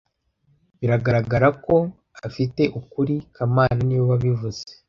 Biragaragara ko afite ukuri kamana niwe wabivuze